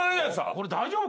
これ大丈夫か？